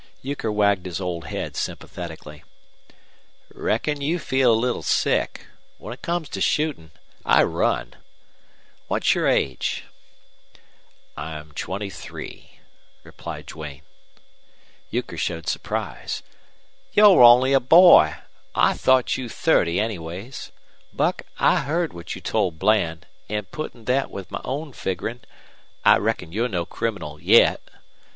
Euchre wagged his old head sympathetically. "Reckon you feel a little sick. When it comes to shootin' I run. What's your age?" "I'm twenty three," replied Duane. Euchre showed surprise. "You're only a boy! I thought you thirty anyways. Buck, I heard what you told Bland, an' puttin' thet with my own figgerin', I reckon you're no criminal yet.